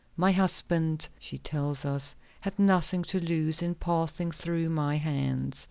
"My husband," she tells us, "had nothing to lose in passing through my hands.